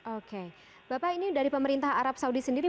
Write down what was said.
oke bapak ini dari pemerintah arab saudi sendiri